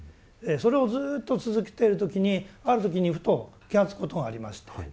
それをずっと続けてる時にある時にふと気が付くことがありまして。